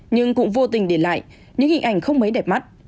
nhưng cũng vô tình để lại những hình ảnh không mấy đẹp mắt